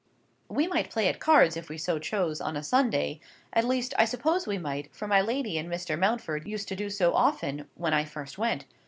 We might play at cards, if we so chose, on a Sunday; at least, I suppose we might, for my lady and Mr. Mountford used to do so often when I first went.